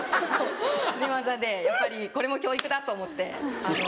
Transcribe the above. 寝技でやっぱり「これも教育だ」と思って。